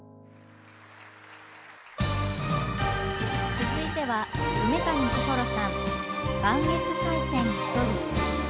続いては梅谷心愛さん「磐越西線ひとり」。